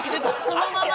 そのまま？